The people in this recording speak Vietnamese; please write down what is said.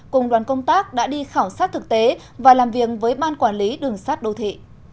cùng đoàn công tác đã đi khảo sát thực tế và làm việc với ban quản lý đường sát đô thị